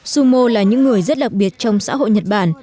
sumo là những người rất đặc biệt trong xã hội nhật bản